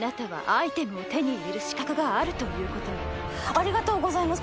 ありがとうございます。